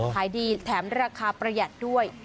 ขายดีแถมราคาประหยัดด้วย